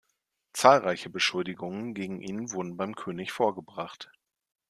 Zahlreiche Beschuldigungen gegen ihn wurden beim König vorgebracht.